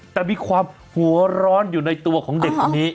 แต่มีความหัวร้อนอยู่ในตัวของเด็กคนนี้